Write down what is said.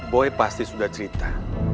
boy pasti sudah cerita